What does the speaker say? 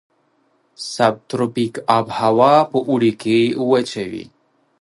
سب تروپیک آب هوا په اوړي کې وچه وي.